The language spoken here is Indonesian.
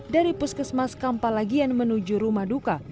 dari puskesmas kampalagian menuju rumah duka